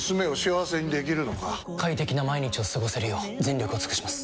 快適な毎日を過ごせるよう全力を尽くします！